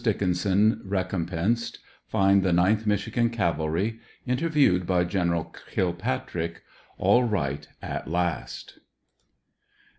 DICKINSON RECOMPENSED — FIND THE NINTH MICHIGAN CAVALRY — INTERVIEWED BY GEN'l KILPATRICK — ALL RIGHT AT LAST.